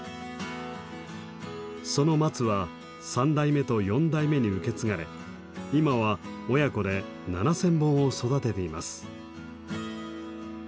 その松は３代目と４代目に受け継がれ今は親子で７，０００本を育てています。